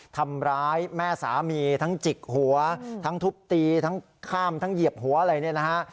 ทำร้ายแม่สามีทั้งจิกหัวทั้งทุบตีทั้งข้ามทั้งเหยียบหัวอะไรเนี่ยนะฮะ